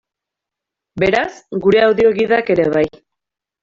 Beraz, gure audio-gidak ere bai.